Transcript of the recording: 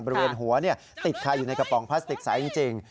บริเวณหัวติดคาอยู่ในกระป๋องพลาสติกสายจริง